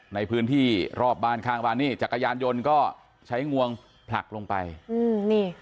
ในพื้นที่รอบบ้านข้างบ้านนี่จักรยานยนต์ก็ใช้งวงผลักลงไปอืมนี่